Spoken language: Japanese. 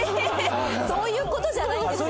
そういうのじゃないの？